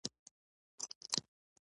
د یو لړ عملیاتو په ترڅ کې